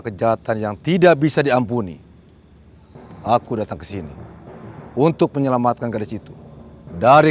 kejahatan yang tidak bisa diampuni aku datang ke sini untuk menyelamatkan garis itu dari